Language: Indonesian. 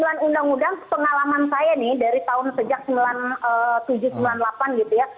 karena tujuh puluh sembilan undang undang pengalaman saya nih dari tahun sejak seribu sembilan ratus sembilan puluh delapan gitu ya